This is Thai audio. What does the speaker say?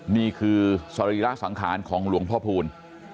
นี่คือสรีระสังขารของหลวงพ่อพูล